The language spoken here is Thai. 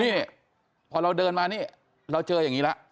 นี่พอเราเดินมานี่เราเจออย่างนี้แล้ว